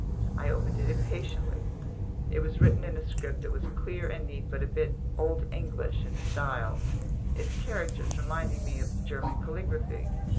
I opened it impatiently. It was written in a script that was clear and neat but a bit "Old English" in style, its characters reminding me of German calligraphy.